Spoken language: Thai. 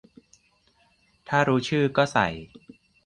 ถ้ารู้ชื่อก็ใส่